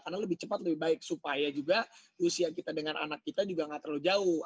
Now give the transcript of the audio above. karena lebih cepat lebih baik supaya juga usia kita dengan anak kita juga gak terlalu jauh